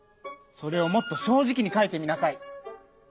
それをもっと正じきにかいてみなさい。